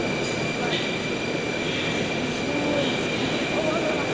おばあちゃんも「地震はいつ来るか分からん」